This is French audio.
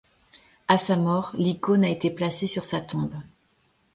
À sa mort l'icône a été placée sur sa tombe.